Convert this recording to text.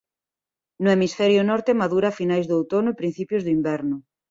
No hemisferio norte madura a finais do outono e principios do inverno.